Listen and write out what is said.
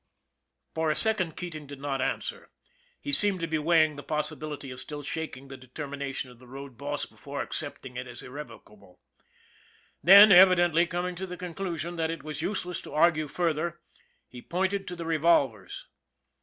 " For a moment Keating did not answer, he seemed to be weighing the possibility of still shaking the de termination of the road boss before accepting it as irrevocable: then, evidently coming to the conclusion that it was useless to argue further, he pointed to the revolvers.